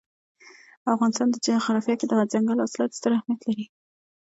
د افغانستان جغرافیه کې دځنګل حاصلات ستر اهمیت لري.